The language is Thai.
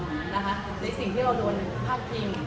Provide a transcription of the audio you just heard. ในสิ่งที่เราโดนพาดพิง